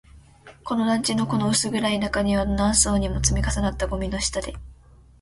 この団地の、この薄暗い中庭の、何層にも積み重なったゴミの下で